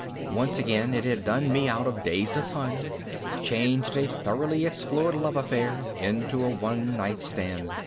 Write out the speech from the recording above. once again it had done me out of days of fun, changed a thoroughly explored love affair into a one night stand.